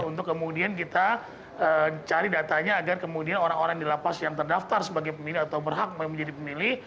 untuk kemudian kita cari datanya agar kemudian orang orang di lapas yang terdaftar sebagai pemilih atau berhak menjadi pemilih